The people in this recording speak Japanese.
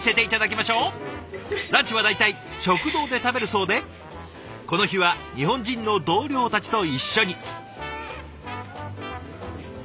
ランチは大体食堂で食べるそうでこの日は日本人の同僚たちと一緒に。